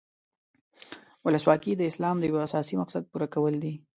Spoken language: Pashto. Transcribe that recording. ولسواکي د اسلام د یو اساسي مقصد پوره کول دي.